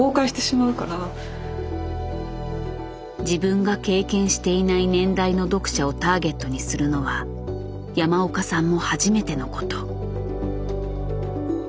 自分が経験していない年代の読者をターゲットにするのは山岡さんも初めてのこと。